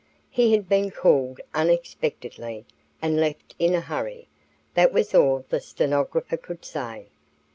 He had been called unexpectedly and left in a hurry. That was all the stenographer could say.